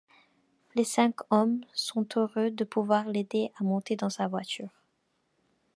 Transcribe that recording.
Les cinq hommes sont heureux de pouvoir l'aider à monter dans sa voiture.